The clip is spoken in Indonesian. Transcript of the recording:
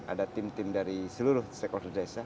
ada tim tim dari seluruh stakeholder desa